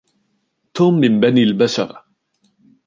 توم من بني البشر.